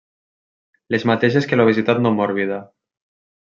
Les mateixes que l'obesitat no mòrbida.